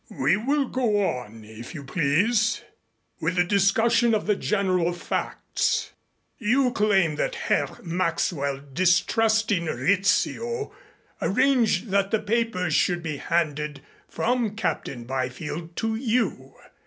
"We will go on, if you please, with the discussion of the general facts. You claim that Herr Maxwell, distrusting Rizzio, arranged that the papers should be handed from Captain Byfield to you.